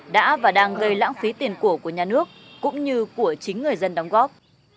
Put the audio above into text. đã và đang gây lãng phí tiền của nhà nước cũng như của chính người dân đóng góp